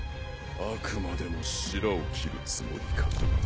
あくまでもしらを切るつもりか。